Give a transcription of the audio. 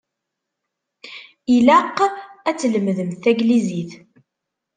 Ilaq ad tlemdemt taglizit.